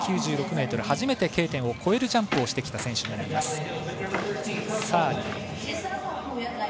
９６ｍ、初めてＫ点を越えるジャンプをした選手となります。